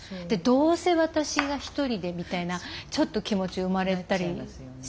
「どうせ私が一人で」みたいなちょっと気持ち生まれたりしますね。